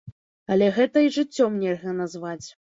Але гэта і жыццём нельга назваць.